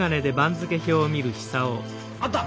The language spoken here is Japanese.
あった！